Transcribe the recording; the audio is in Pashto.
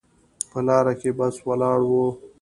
په لاره کې بس ولاړ ده